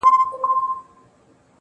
لا به په تا پسي توېږي اوښکي.